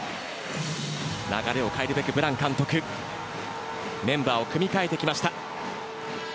流れを変えるべくブラン監督メンバーを組み替えてきました。